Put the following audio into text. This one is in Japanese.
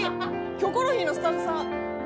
「『キョコロヒー』のスタッフさん本気出しすぎ」